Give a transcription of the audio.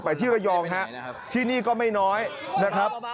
ที่ระยองฮะที่นี่ก็ไม่น้อยนะครับ